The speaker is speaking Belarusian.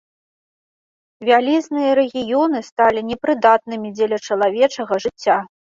Вялізныя рэгіёны сталі непрыдатнымі дзеля чалавечага жыцця.